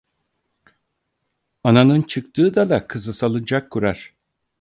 Ananın çıktığı dala kızı salıncak kurar.